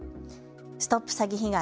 ＳＴＯＰ詐欺被害！